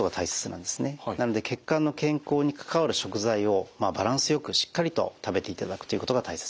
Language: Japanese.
なので血管の健康に関わる食材をバランスよくしっかりと食べていただくということが大切です。